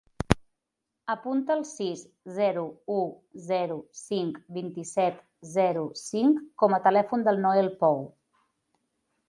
Apunta el sis, zero, u, zero, cinc, vint-i-set, zero, cinc com a telèfon del Noel Pou.